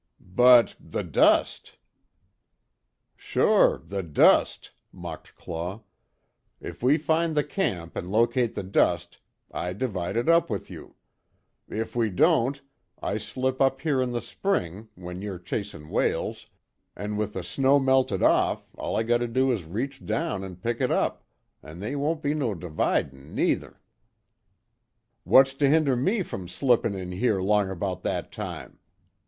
"But, the dust!" "Sure the dust," mocked Claw. "If we find the camp, an' locate the dust, I divide it up with you. If we don't I slip up here in the spring, when you're chasin' whales, an' with the snow melted off all I got to do is reach down an' pick it up an' they won't be no dividin', neither." "What's to hinder me from slippin' in here long about that time?